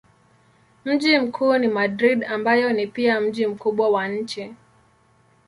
Mji mkuu ni Madrid ambayo ni pia mji mkubwa wa nchi.